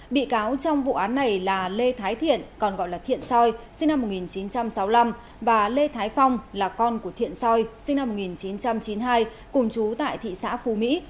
bị cáo trong vụ án này là lê thái thiện còn gọi là thiện soi sinh năm một nghìn chín trăm sáu mươi năm và lê thái phong là con của thiện soi sinh năm một nghìn chín trăm chín mươi hai cùng chú tại thị xã phú mỹ